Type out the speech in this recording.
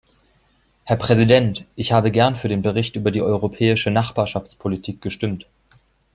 Herr Präsident! Ich habe gern für den Bericht über die Europäische Nachbarschaftspolitik gestimmt.